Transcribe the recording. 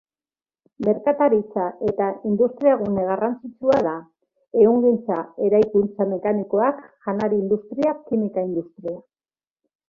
Merkataritza eta industriagune garrantzitsua da: ehungintza, eraikuntza mekanikoak, janari-industria, kimika-industria.